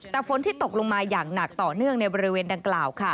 แต่ฝนที่ตกลงมาอย่างหนักต่อเนื่องในบริเวณดังกล่าว